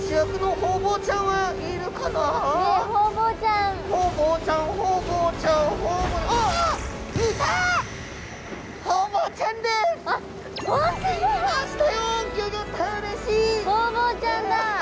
ホウボウちゃんだ！